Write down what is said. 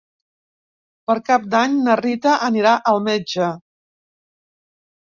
Per Cap d'Any na Rita anirà al metge.